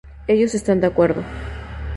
Ellos están de acuerdo.